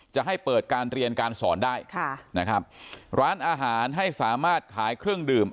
จะให้เปิดการเรียนการสอนได้ค่ะนะครับร้านอาหารให้สามารถขายเครื่องดื่ม